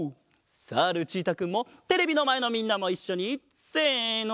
さあルチータくんもテレビのまえのみんなもいっしょにせの。